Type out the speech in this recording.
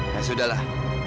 ya sudah lah